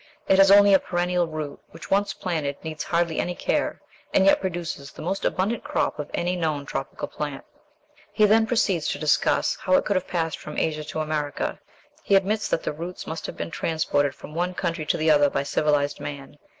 It has only a perennial root, which, once planted, needs hardly any care, and yet produces the most abundant crop of any known tropical plant." He then proceeds to discuss how it could have passed from Asia to America. He admits that the roots must have been transported from one country to the other by civilized man.